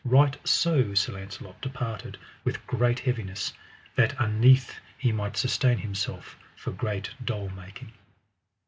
Right so Sir Launcelot departed with great heaviness, that unnethe he might sustain himself for great dole making.